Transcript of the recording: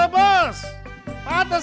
aku mau ke kantor